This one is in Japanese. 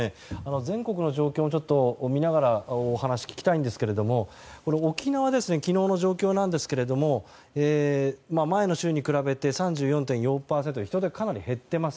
全国の状況を見ながらお話を聞きたいんですけれども沖縄、昨日の状況ですが前の週に比べて３４．４％と人出はかなり減っています。